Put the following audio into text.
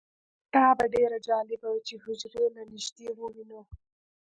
دا به ډیره جالبه وي چې حجرې له نږدې ووینو